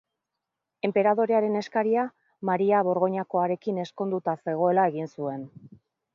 Enperadorearen eskaria Maria Borgoinakoarekin ezkonduta zegoela egin zuen.